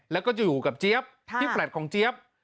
แล้วก็จะอยู่กับเจี๊ยบที่แลตของเจี๊ยบ